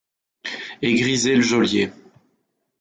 Et griser le geôlier.